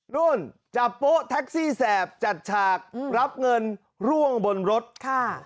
นู่นจับโป๊แท็กซี่แสบจัดฉากรับเงินร่วงบนรถค่ะ